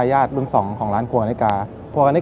กลับมาสืบสาวเรื่องราวความประทับใจ